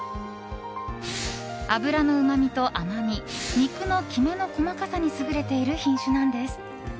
脂のうまみと甘み肉のきめの細かさに優れている品種なんです。